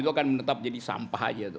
itu akan menetap jadi sampah aja tuh